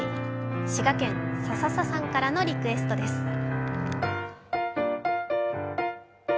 滋賀県、ささささんからのリクエストです。